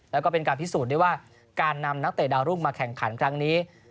แล้วก็เป็นการพิสูจน์ได้ว่าการนำนักเตะดาวรุ่งมาแข่งขันครั้งนี้